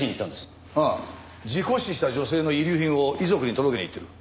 ああ事故死した女性の遺留品を遺族に届けに行ってる。